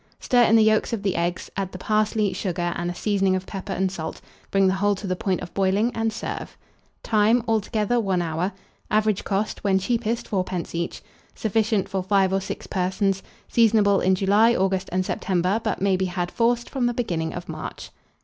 Stir in the yolks of the eggs, add the parsley, sugar, and a seasoning of pepper and salt; bring the whole to the point of boiling, and serve. Time. Altogether, 1 hour. Average cost, when cheapest, 4d. each. Sufficient for 5 or 6 persons. Seasonable in July, August, and September; but may be had, forced, from the beginning of March.